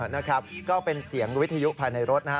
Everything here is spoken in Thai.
นะครับก็เป็นเสียงวิทยุภายในรถนะฮะ